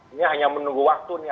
ini hanya menunggu waktu nih